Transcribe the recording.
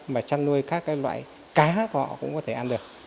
mà chăn nuôi các cái loại cá của họ cũng có thể ăn được